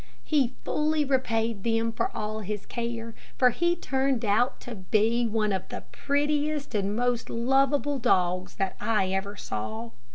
He fully repaid them for all his care, for he turned out to be one of the prettiest and most lovable dogs that I ever saw.